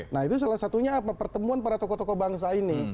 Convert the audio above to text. nah itu salah satunya apa pertemuan para tokoh tokoh bangsa ini